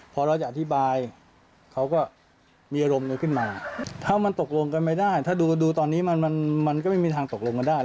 พอเราจะอธิบายเขาก็มีอารมณ์กันขึ้นมาถ้ามันตกลงกันไม่ได้ถ้าดูตอนนี้มันมันก็ไม่มีทางตกลงกันได้